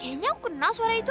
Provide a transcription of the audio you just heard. kayaknya aku kena suara itu